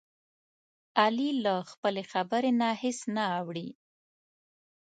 علي له خپلې خبرې نه هېڅ نه اوړوي.